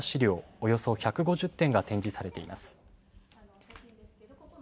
およそ１５０点が展示されています。